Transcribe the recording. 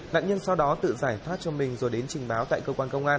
nạn nhân sau đó tự giải thoát cho mình rồi đến trình báo tại cơ quan công an